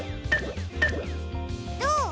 どう？